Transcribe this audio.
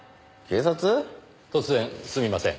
突然すみません。